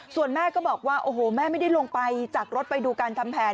ส่วนแม่ก็บอกว่าโอ้โหแม่ไม่ได้ลงไปจากรถไปดูการทำแผน